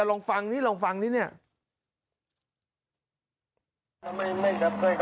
ลองฟังนี่ลองฟังดิเนี่ย